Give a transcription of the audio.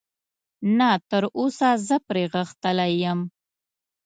نه، تراوسه زه پرې غښتلی یم.